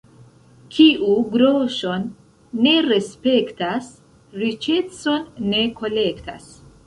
Kiu groŝon ne respektas, riĉecon ne kolektas.